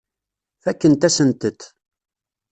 Fakkent-asent-t.